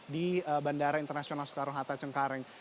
di bandara internasional soekarno hatta cengkareng